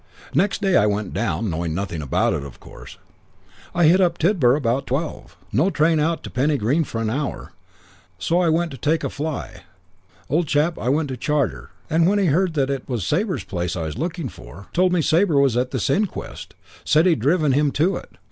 Next day I went down, knowing nothing about it, of course. I hit up Tidborough about twelve. No train out to Penny Green for an hour, so I went to take a fly. Old chap I went to charter, when he heard it was Sabre's place I was looking for, told me Sabre was at this inquest; said he'd driven him in to it.